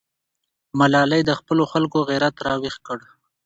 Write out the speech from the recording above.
ملالۍ د خپلو خلکو غیرت راویښ کړ.